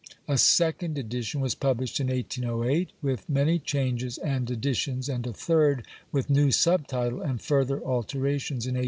A second edition was published in 1808, with many changes and additions ; and a third, with new sub title and further alterations, in 1829.